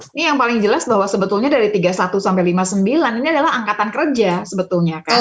ini yang paling jelas bahwa sebetulnya dari tiga puluh satu sampai lima puluh sembilan ini adalah angkatan kerja sebetulnya kan